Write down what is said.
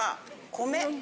米。